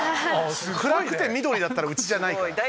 暗くて緑だったらうちじゃないから。